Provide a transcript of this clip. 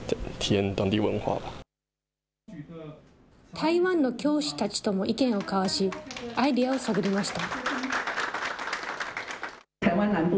台湾の教師たちとも意見を交わし、アイデアを探りました。